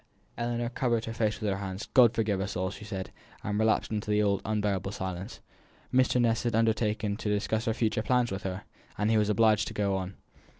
Ellinor covered her face with her hands. "God forgive us all," she said, and relapsed into the old unbearable silence. Mr. Ness had undertaken to discuss her future plans with her, and he was obliged to go on.